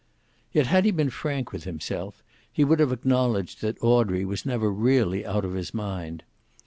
Yet had he been frank with himself he would have acknowledged that Audrey was never really out of his mind.